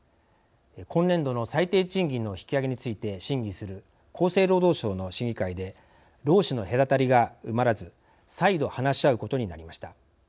今年度の最低賃金の引き上げについて審議する厚生労働省の審議会で労使の隔たりが埋まらず再度話し合うことになりました。